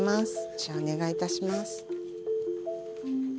じゃあお願いいたします。